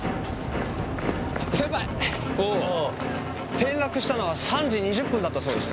転落したのは３時２０分だったそうです。